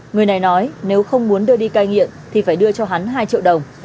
người này nói nếu không muốn đưa đi cai nghiện thì phải đưa cho hắn hai triệu đồng